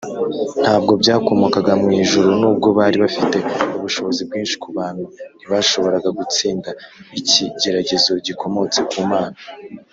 ntabwo byakomokaga mu ijuru nubwo bari bafite ubushobozi bwinshi ku bantu, ntibashoboraga gutsinda ikigeragezo gikomotse ku mana